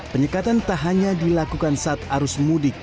penyekatan tak hanya dilakukan saat arus mudik